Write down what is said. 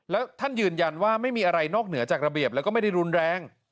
แล้วท่านยืนยันว่าไม่มีอะไรนอกเหนือจากระเบียบแล้วก็ไม่ได้รุนแรง